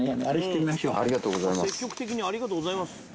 ありがとうございます。